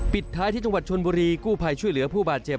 ท้ายที่จังหวัดชนบุรีกู้ภัยช่วยเหลือผู้บาดเจ็บ